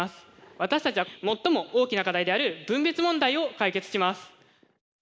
私たちは最も大きな課題である分別問題を解決します。